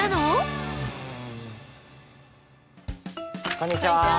こんにちは！